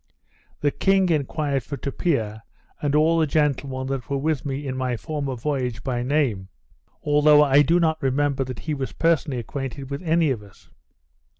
The king enquired for Tupia, and all the gentlemen that were with me in my former voyage, by name; although I do not remember that he was personally acquainted with any of us.